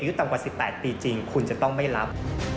ต่ำกว่า๑๘ปีจริงคุณจะต้องไม่รับ